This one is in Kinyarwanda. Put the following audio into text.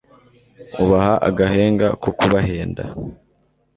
ubaha agahenga ko kubahenda